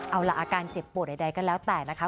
เอาล่ะอาการเจ็บปวดใดก็แล้วแต่นะคะ